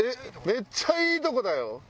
めっちゃいいとこだよ